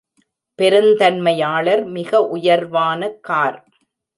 பெருந்தன்மையாளர் மிக உயர்வான கார்.